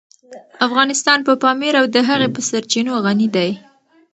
افغانستان په پامیر او د هغې په سرچینو غني دی.